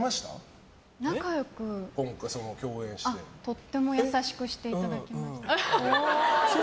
とっても優しくしていただきました。